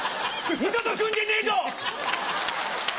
二度と来んでねえぞ！